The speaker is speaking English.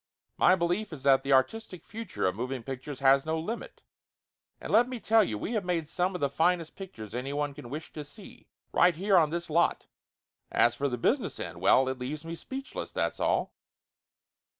My belief is that the artistic future of moving pictures has no limit ! And let me tell you, we have made some of the finest pictures anyone could wish to see, right here on this lot As for the business end well, it leaves me speechless, that's all